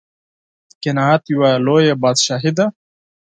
قناعت یوه لویه بادشاهي ده.